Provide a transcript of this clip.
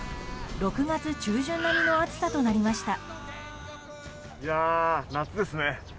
６月中旬並みの暑さとなりました。